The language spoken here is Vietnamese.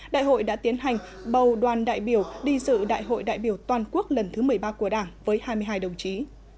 đại hội đã tiến hành bầu đoàn đại biểu đi dự đại hội đại biểu toàn quốc lần thứ một mươi ba của đảng với hai mươi hai đồng chí